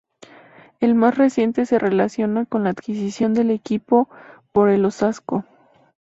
El más reciente se relaciona con la adquisición del equipo por el Osasco.